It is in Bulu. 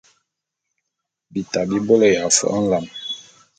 Bita bi bôlé ya fo’o nlam.